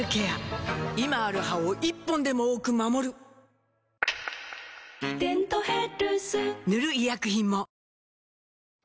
今ある歯を１本でも多く守る「デントヘルス」塗る医薬品も